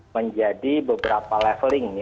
menjadi beberapa leveling